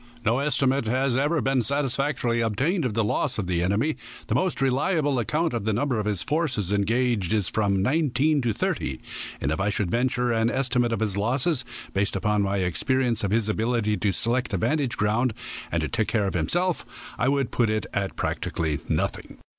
No estimate has ever been satisfactorily obtained of the loss of the enemy. The most reliable account of the number of his forces engaged is from nineteen to thirty, and if I should venture an estimate of his losses, based upon my experience of his ability to select a vantage ground, and take care of himself, I would put it at practically nothing.